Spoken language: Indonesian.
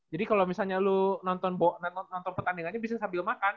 jadi kalau misalnya lu nonton petandingannya bisa sambil makan